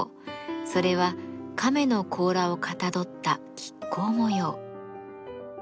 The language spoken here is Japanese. それは亀の甲羅をかたどった亀甲模様。